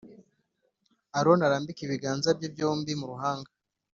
Aroni arambike ibiganza bye byombi mu ruhanga